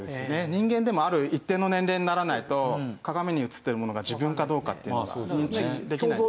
人間でもある一定の年齢にならないと鏡に映ってるものが自分かどうかっていうのが認知できないんですよね。